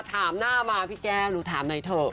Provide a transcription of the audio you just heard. ถามหน้ามาพี่แก้วหนูถามหน่อยเถอะ